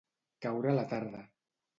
Caure la tarda.